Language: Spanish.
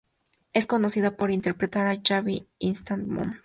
Es conocida por interpretar a Gabby en "Instant Mom".